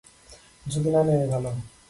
ঝুঁকি না নেয়াই ভালো।